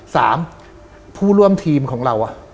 ผู้ร่วมทีมของเรา